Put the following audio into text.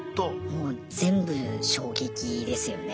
もう全部衝撃ですよね。